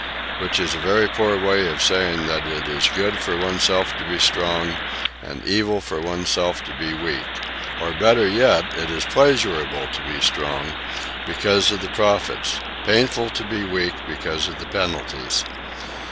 Which is a very poor way of saying that it is good for oneself to be strong, and evil for oneself to be weak—or better yet, it is pleasurable to be strong, because of the profits; painful to be weak, because of the penalties.